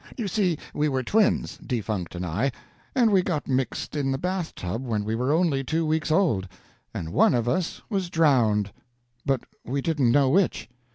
You see, we were twins defunct and I and we got mixed in the bathtub when we were only two weeks old, and one of us was drowned. But we didn't know which.